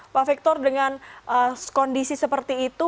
pak victor dengan kondisi seperti itu